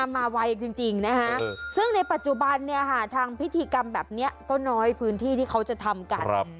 ไวจริงนะฮะซึ่งในปัจจุบันทางพิธีกรรมแบบนี้ก็น้อยพื้นที่ที่เขาจะทำกัน